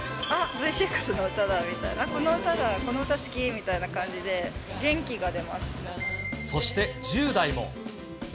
Ｖ６の歌だみたいな、その歌だ、この歌好きみたいな感じで、そして１０代も。